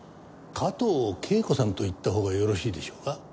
加藤啓子さんと言ったほうがよろしいでしょうか？